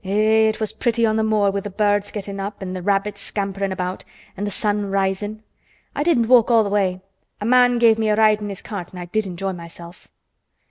"Eh! it was pretty on th' moor with th' birds gettin' up an' th' rabbits scamperin' about an' th' sun risin'. I didn't walk all th' way. A man gave me a ride in his cart an' I did enjoy myself."